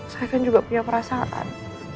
saya kan juga punya perasaan